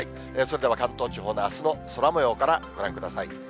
それでは関東地方のあすの空もようからご覧ください。